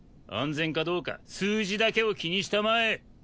安全かどうか数字だけを気にしたまえ。